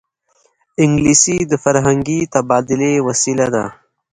انګلیسي د فرهنګي تبادلې وسیله ده